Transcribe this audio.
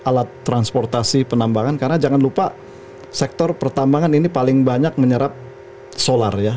kita sekarang di alat transportasi penambangan karena jangan lupa sektor pertambangan ini paling banyak menyerap solar ya